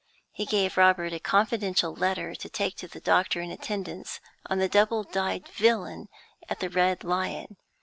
He gave Robert a confidential letter to take to the doctor in attendance on the double dyed villain at the Red Lion.